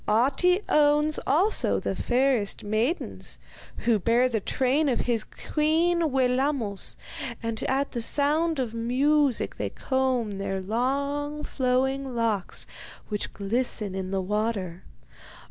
Ahti owns also the fairest maidens, who bear the train of his queen Wellamos, and at the sound of music they comb their long, flowing locks, which glisten in the water.